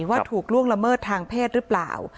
ว่าถูกล่วงละเมิดทางเพศหรือเปล่า